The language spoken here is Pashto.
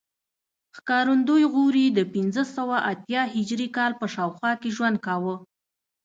ښکارندوی غوري د پنځه سوه اتیا هجري کال په شاوخوا کې ژوند کاوه